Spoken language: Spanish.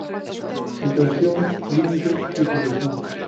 Situación, Límites y Población.